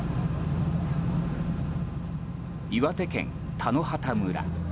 岩手県田野畑村。